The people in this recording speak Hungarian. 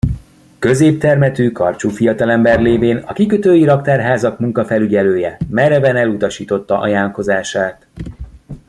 Középtermetű, karcsú fiatalember lévén, a kikötői raktárházak munkafelügyelője mereven elutasította ajánlkozását.